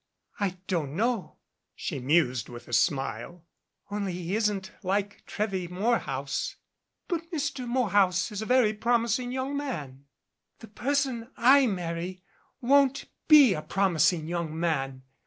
"I don't know," she mused, with a smile. "Only he isn't like Trewy Morehouse." "But Mr. Morehouse is a very promising young man " "The person I marry won't be a promising young man.